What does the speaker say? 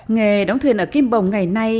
nghề đóng thuyền ở kim bồng ngày nay